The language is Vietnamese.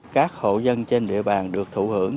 các hộ dân trên địa bàn được thụ hưởng